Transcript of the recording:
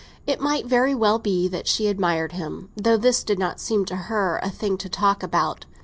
It might very well be that she admired him—though this did not seem to her a thing to talk about.